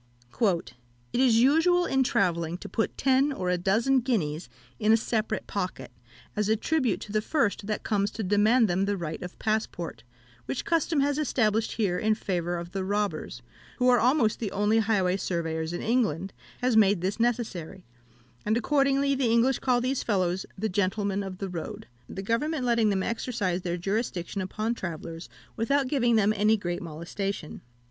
"It is usual in travelling to put ten or a dozen guineas in a separate pocket, as a tribute to the first that comes to demand them the right of passport, which custom has established here in favour of the robbers, who are almost the only highway surveyors in England, has made this necessary; and accordingly the English call these fellows the 'Gentlemen of the Road,' the government letting them exercise their jurisdiction upon travellers without giving them any great molestation.